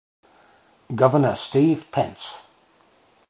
Governor Steve Pence.